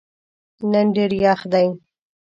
نن ډېر یخ دی.